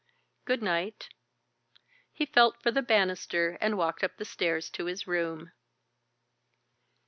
Good night." He felt for the bannister and walked up the stairs to his room.